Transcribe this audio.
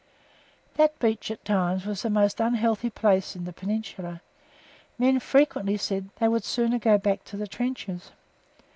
That beach at times was the most unhealthy place in the Peninsula. Men frequently said they would sooner go back to the trenches.